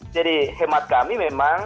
jadi hemat kami memang